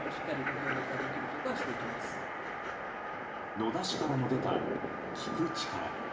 野田氏からも出た、聞く力。